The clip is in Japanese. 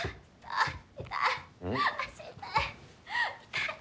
痛い。